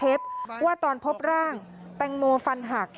ว่าตอนพบร่างแตงโมฟันหัก